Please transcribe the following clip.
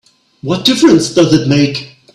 What difference does that make?